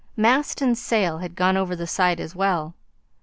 Mast and sail had gone over the side as well.